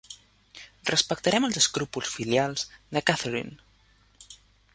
Respectarem els escrúpols filials de Catherine.